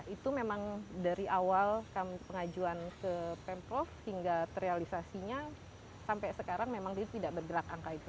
itu memang dari awal pengajuan ke pemprov hingga terrealisasinya sampai sekarang memang dia tidak bergerak angka itu